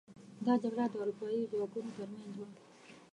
دا جګړه د اروپايي ځواکونو تر منځ وه.